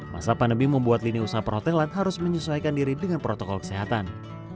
masa pandemi membuat lini usaha perhotelan harus menyesuaikan diri dengan protokol kesehatan